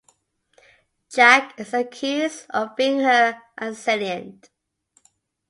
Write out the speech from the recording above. Jack is accused of being her assailant.